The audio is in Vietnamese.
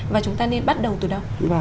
và chúng ta nên bắt đầu từ đâu